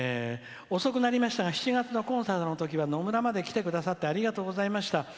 「遅くなりましたが７月のコンサートのときはのむらまで来てくださってありがとうございました。